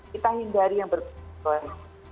kita hindari yang berbun